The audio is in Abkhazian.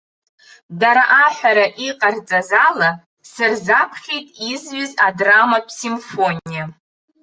Дара аҳәара иҟарҵаз ала, сырзаԥхьеит изҩыз адраматә симфониа.